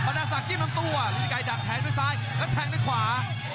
ปันธศักดิ์จิ้มลงตัวฤทธิกายดับแทงไปซ้ายแล้วแทงไปขวา